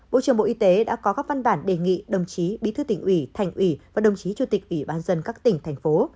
bộ trưởng bộ y tế đã có các văn bản đề nghị đồng chí bí thư tỉnh ủy thành ủy và đồng chí chủ tịch ủy ban dân các tỉnh thành phố